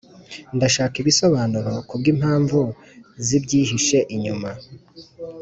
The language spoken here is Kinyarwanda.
ndashaka ibisobanuro, kubwimpamvu zibyihishe inyuma,